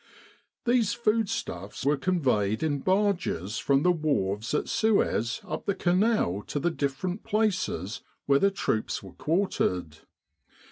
These foodstuffs were conveyed in barges from the wharves at Suez up the Canal to the different places where the troops were quartered.